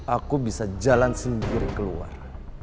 aku bisa jalan sendiri keluar